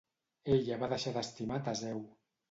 Ella va deixar d'estimar Teseu?